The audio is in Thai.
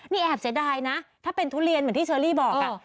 นี่แอบเสียดายนะถ้าเป็นทุเรียนเหมือนที่เชอรี่บอก